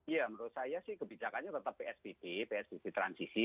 ya menurut saya sih kebijakannya tetap psbb psbb transisi